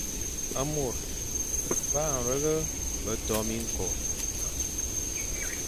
Môr ba mreghe be to miñko,